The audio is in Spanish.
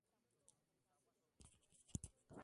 Por aquel entonces su accionista dominante era Jay Gould.